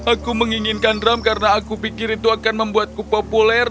aku menginginkan drum karena aku pikir itu akan membuatku populer